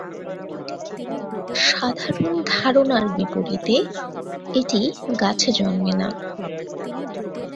সাধারণ ধারণার বিপরীতে, এটি গাছে জন্মে না।